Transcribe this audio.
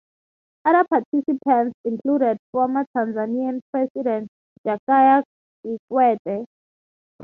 Other participants included former Tanzanian president Jakaya Kikwete.